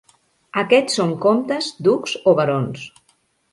Aquests són comtes, ducs o barons.